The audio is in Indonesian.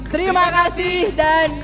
terima kasih dan